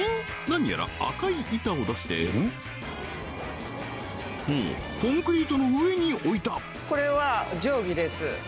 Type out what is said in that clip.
何やら赤い板を出してコンクリートの上に置いた！